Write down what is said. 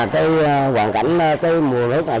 khi hoàn cảnh cái mùa nước này